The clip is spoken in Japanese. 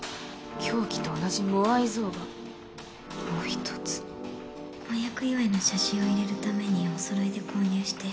凶器と同じモアイ像がもう一つ婚約祝いの写真を入れるためにお揃いで購入して